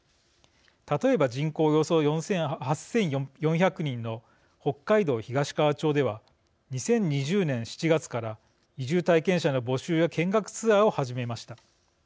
例えば人口およそ８４００人の北海道東川町では２０２０年７月から移住体験者の募集や見学ツアーを始めました。